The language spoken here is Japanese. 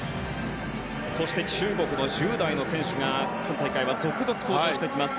そして中国の１０代の選手が今大会は続々と登場してきます。